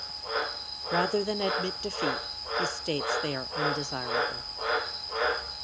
Rather than admit defeat, he states they are undesirable.